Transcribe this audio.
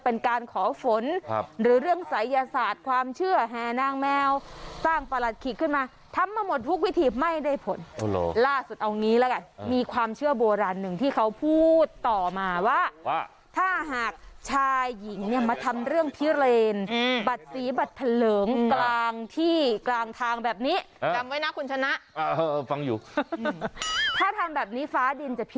เป็นการขอฝนหรือเรื่องศัยยศาสตร์ความเชื่อแห่นางแมวสร้างประหลัดขิกขึ้นมาทำมาหมดทุกวิธีไม่ได้ผลล่าสุดเอางี้ละกันมีความเชื่อโบราณหนึ่งที่เขาพูดต่อมาว่าว่าถ้าหากชายหญิงเนี่ยมาทำเรื่องพิเรนบัตรสีบัตรทะเลิงกลางที่กลางทางแบบนี้จำไว้นะคุณชนะฟังอยู่ถ้าทำแบบนี้ฟ้าดินจะพิ